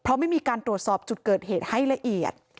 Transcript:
เพราะไม่มีการตรวจสอบจุดเกิดเหตุให้ละเอียด